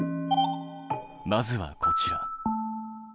まずはこちら。